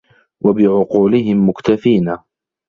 وَبِعُقُولِهِمْ مُكْتَفِينَ